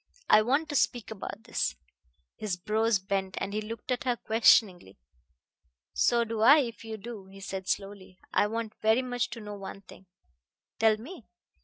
"I want to speak about this." His brows bent, and he looked at her questioningly. "So do I, if you do," he said slowly. "I want very much to know one thing." "Tell me."